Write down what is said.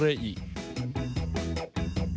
พิธีสัญญงสัญญากันเอาไว้